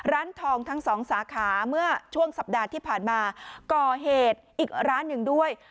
ร้านทองทั้งสองสาขาเมื่อช่วงสัปดาห์ที่ผ่านมาก่อเหตุอีกร้านหนึ่งด้วย